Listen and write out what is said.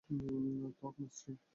ত্বক মসৃণ।